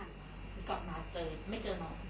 กลับมาเจอไม่เจอน้อง